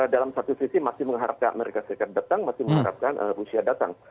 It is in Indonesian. dalam satu sisi masih mengharapkan amerika serikat datang masih mengharapkan rusia datang